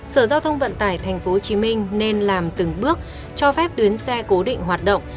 sở giao thông vận tải tp hcm nên làm từng bước cho phép tuyến xe cố định hoạt động